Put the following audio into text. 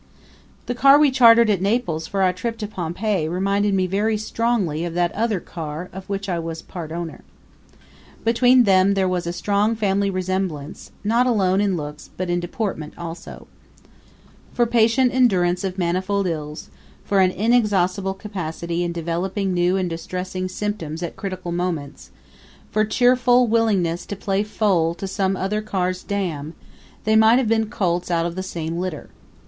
The car we chartered at Naples for our trip to Pompeii reminded me very strongly of that other car of which I was part owner. Between them there was a strong family resemblance, not alone in looks but in deportment also. For patient endurance of manifold ills, for an inexhaustible capacity in developing new and distressing symptoms at critical moments, for cheerful willingness to play foal to some other car's dam, they might have been colts out of the same litter.